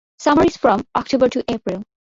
Summer is from October to April.